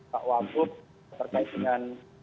pak wakud terkait dengan